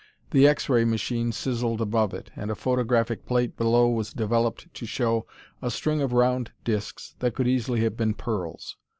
The X Ray machine sizzled above it, and a photographic plate below was developed to show a string of round discs that could easily have been pearls.